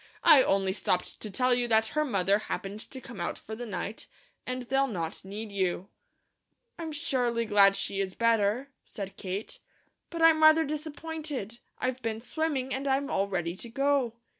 "I only stopped to tell you that her mother happened to come out for the night, and they'll not need you." "I'm surely glad she is better," said Kate, "but I'm rather disappointed. I've been swimming, and I'm all ready to go."